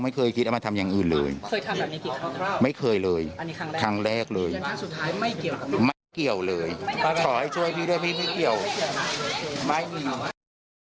ขอให้ช่วยพี่ด้วยพี่ไม่เกี่ยวไม่มี